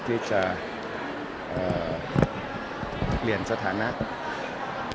ที่จะเขียนสไดนะครับ